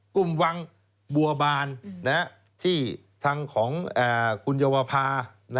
วังบัวบานที่ทางของคุณเยาวภา